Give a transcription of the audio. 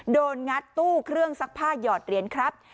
งัดตู้เครื่องซักผ้าหยอดเหรียญครับ